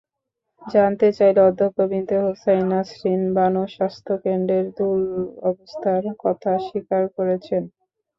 জানতে চাইলে অধ্যক্ষ বিনতে হুসাইন নাসরিন বানু স্বাস্থ্যকেন্দ্রের দুরবস্থার কথা স্বীকার করেছেন।